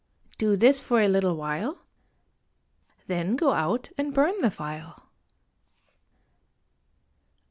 Do this for a little while, Then go out and burn the file.